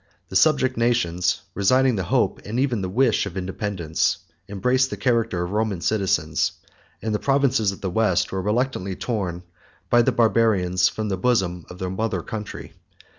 The subject nations, resigning the hope, and even the wish, of independence, embraced the character of Roman citizens; and the provinces of the West were reluctantly torn by the Barbarians from the bosom of their mother country.